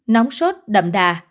nóng sốt đậm đà